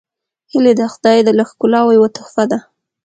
هیلۍ د خدای له ښکلاوو یوه تحفه ده